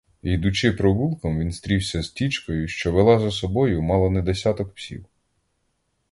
Йдучи провулком, він стрівся з тічкою, що вела за собою мало не десяток псів.